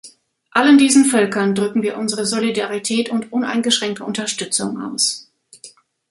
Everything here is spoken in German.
Allen diesen Völkern drücken wir unsere Solidarität und uneingeschränkte Unterstützung aus.